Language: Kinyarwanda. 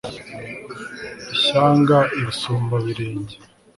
i shyanga i busumbabirenge